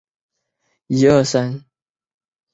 其中愉翠苑占整区人口的大约三分之二。